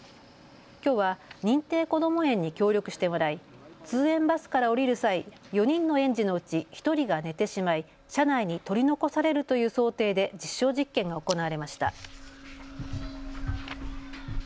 きょうは認定こども園に協力してもらい、通園バスから降りる際、４人の園児のうち１人が寝てしまい車内に取り残されるという想定で実証実験が行われました。